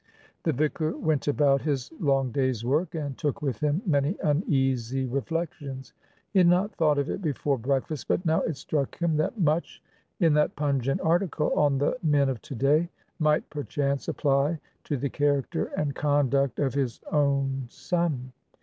The vicar went about his long day's work, and took with him many uneasy reflections. He had not thought of it before breakfast, but now it struck him that much in that pungent article on the men of to day might perchance apply to the character and conduct of his own son.